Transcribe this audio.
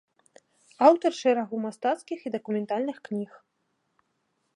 Аўтар шэрагу мастацкіх і дакументальных кніг.